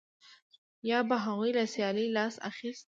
یا به هغوی له سیالۍ لاس اخیست